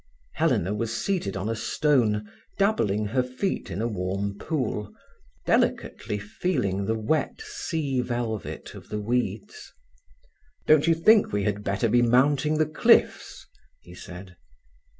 Helena was seated on a stone, dabbling her feet in a warm pool, delicately feeling the wet sea velvet of the weeds. "Don't you think we had better be mounting the cliffs?" he said.